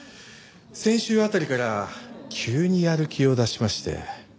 先週あたりから急にやる気を出しまして。